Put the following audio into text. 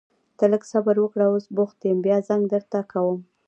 ته لږ صبر وکړه، اوس بوخت يم بيا زنګ درته کوم.